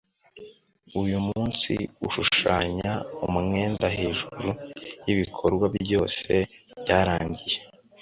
uyu munsi ushushanya umwenda hejuru y'ibikorwa byose byarangiye